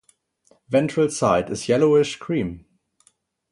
Ventral side is yellowish-cream.